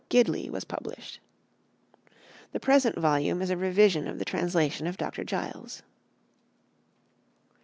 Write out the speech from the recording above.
Gidley was published. The present volume is a revision of the translation of Dr. Giles.